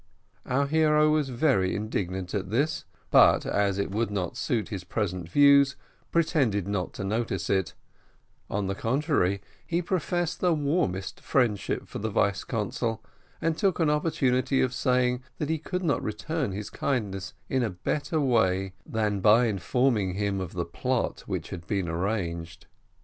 Our hero was very indignant at this, but as it would not suit his present views, pretended not to notice it on the contrary, he professed the warmest friendship for the vice consul, and took an opportunity of saying that he could not return his kindness in a better way than by informing him of the plot which had been arranged.